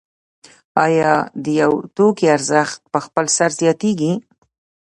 آیا د یو توکي ارزښت په خپل سر زیاتېږي